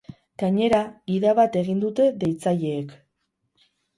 Gainera, gida bat egin dute deitzaileek.